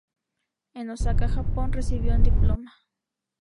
En Osaka, Japón, recibió un diploma.